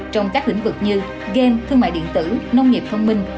trong các lĩnh vực như game thương mại điện tử nông nghiệp thông minh